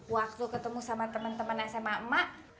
waktu ketemu sama teman teman sma emak